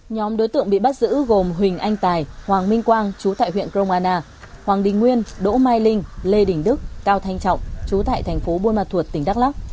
nhóm đối tượng bị bắt giữ gồm huỳnh anh tài hoàng minh quang chú tại huyện cromana hoàng đình nguyên đỗ mai linh lê đình đức cao thanh trọng chú tại thành phố buôn mặt thuột tỉnh đắk lắc